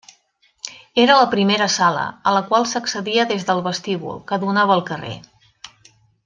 Era la primera sala, a la qual s'accedia des del vestíbul, que donava al carrer.